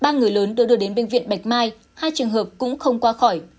ba người lớn đưa đến bệnh viện bạch mai hai trường hợp cũng không qua khỏi